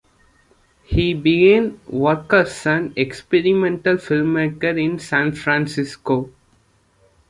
He began work as an experimental filmmaker in San Francisco.